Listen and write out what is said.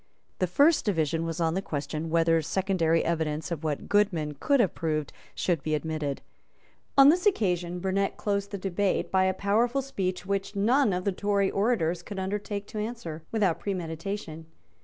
The first division was on the question whether secondary evidence of what Goodman could have proved should be admitted. On this occasion Burnet closed the debate by a powerful speech which none of the Tory orators could undertake to answer without premeditation.